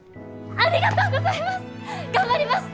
ありがとうございます！